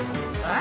あ？